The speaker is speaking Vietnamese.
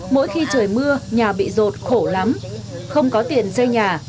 mỗi khi trời mưa nhà bị rột khổ lắm không có tiền xây nhà